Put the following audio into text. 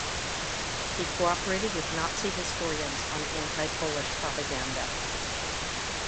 He cooperated with Nazi historians on anti-Polish propaganda.